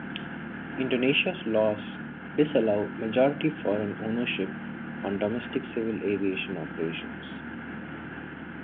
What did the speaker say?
Indonesia's laws disallow majority foreign ownership on domestic civil aviation operations.